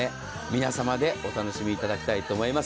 皆さまでお楽しみいただきたいと思います。